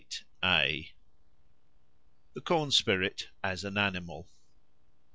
XLVIII. The Corn Spirit as an Animal 1.